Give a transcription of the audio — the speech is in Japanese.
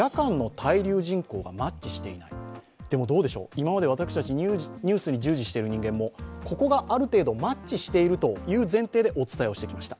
今まで私たちニュースに従事している人間もここがある程度マッチしているという前提でお伝えしてきました。